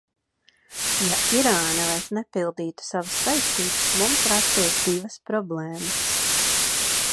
Ja Irāna vairs nepildītu savas saistības, mums rastos divas problēmas.